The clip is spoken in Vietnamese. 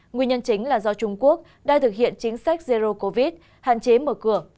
nguyên nhân chính là do trung quốc đang thực hiện chính sách zero covid hạn chế mở cửa